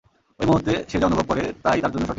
ঐ মূহুর্তে, সে যা অনুভব করে তা-ই তার জন্য সঠিক।